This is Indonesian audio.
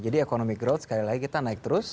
jadi economic growth sekali lagi kita naik terus